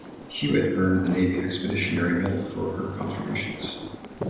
"Hewitt" earned the Navy Expeditionary Medal for her contributions.